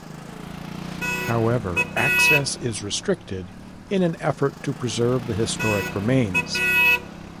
However, access is restricted in an effort to preserve the historic remains.